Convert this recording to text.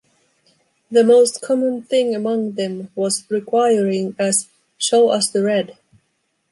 The most common thing among them was” requiring as “show us the rad.